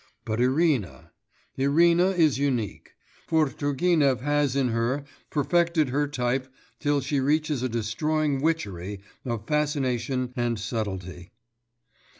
But Irina Irina is unique; for Turgenev has in her perfected her type till she reaches a destroying witchery of fascination and subtlety.